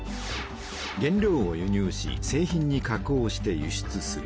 原料を輸入し製品に加工して輸出する。